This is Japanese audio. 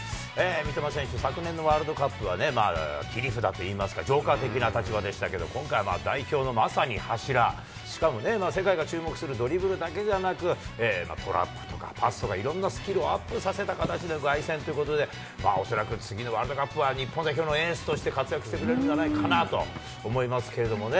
三笘選手、昨年のワールドカップは切り札といいますか、ジョーカー的な立場でしたけれども、今回は代表のまさに柱、しかも世界が注目するドリブルだけではなく、トラップとかパスとかいろんなスキルをアップさせた形での凱旋ということで、恐らく次のワールドカップは日本代表のエースとして活躍してくれるんではないかなと思いますけれどもね。